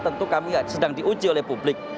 tentu kami sedang diuji oleh publik